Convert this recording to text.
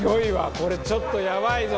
これちょっとやばいぞ！